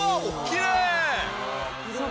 きれい！